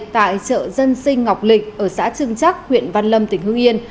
tại chợ dân sinh ngọc lịch ở xã trưng chắc huyện văn lâm tỉnh hương yên